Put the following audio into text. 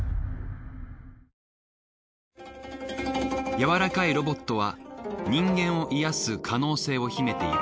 柔らかいロボットは人間を癒す可能性を秘めている。